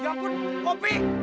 ya ampun opi